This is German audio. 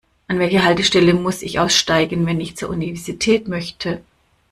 An welcher Haltestelle muss ich aussteigen, wenn ich zur Universität möchte?